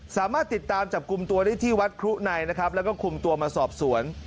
สามารถติดตามจากกลุ่มตัวนี้ที่วัดครุฯในและก็กลุ่มตัวมาสอบสวน